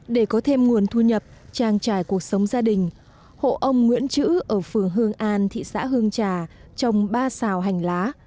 để có thêm nguồn thu nhập trang trải cuộc sống gia đình hộ ông nguyễn chữ ở phường hương an thị xã hương trà trồng ba xào hành lá